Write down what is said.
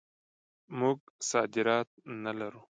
موږ صادرات نه لرو.